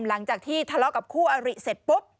หลังจากที่ทะเลาะกับคู่อริเสร็จปุ๊บ